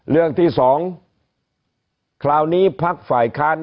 เรื่องที่สองคราวนี้พักฝ่ายค้าน